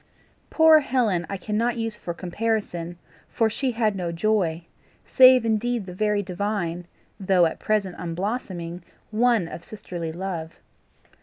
Poor Helen I cannot use for comparison, for she had no joy, save indeed the very divine, though at present unblossoming one of sisterly love.